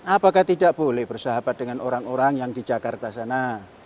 apakah tidak boleh bersahabat dengan orang orang yang di jakarta sana